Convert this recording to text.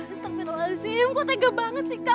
astaghfirullahaladzim kau tega banget sih kak